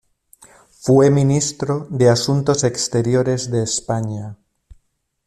Fue ministro de Asuntos Exteriores de España.